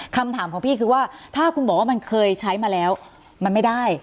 คำถามของพี่คือว่าถ้าคุณบอกว่ามันเคยใช้มาแล้วมันไม่ได้